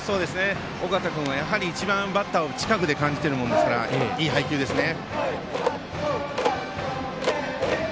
尾形君は一番バッターを近くで感じていますからいい配球ですね。